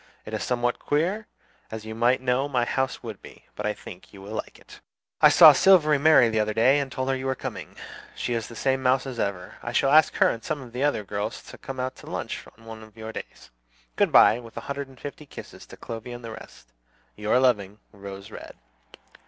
It is somewhat queer, as you might know my house would be; but I think you will like it. "I saw Silvery Mary the other day and told her you were coming. She is the same mouse as ever. I shall ask her and some of the other girls to come out to lunch on one of your days. Good by, with a hundred and fifty kisses to Clovy and the rest. "Your loving "ROSE RED."